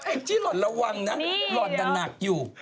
แอคจี้หล่อนระวังนะหล่อนหนักอยู่นี่เดี๋ยว